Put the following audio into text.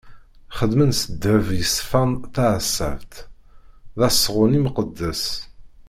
Xedmen s ddheb yeṣfan taɛeṣṣabt: D asɣun imqeddes.